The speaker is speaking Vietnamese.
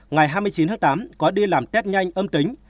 ngày hai mươi chín tháng tám có đi làm test nhanh âm tính